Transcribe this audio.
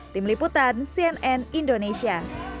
tim liputan cnn indonesia